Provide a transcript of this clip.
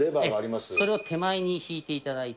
それを手前に引いていただいて。